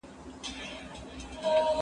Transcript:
زه مکتب ته تللي دي!